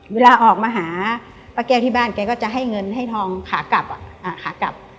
เวลาออกมาหาป้าแก้วที่บ้านแกก็จะให้เงินให้ทองขากลับขากลับ